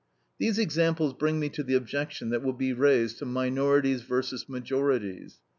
These examples bring me to the objection that will be raised to MINORITIES VERSUS MAJORITIES.